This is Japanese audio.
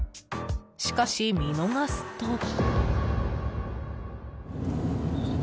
しかし見逃すと。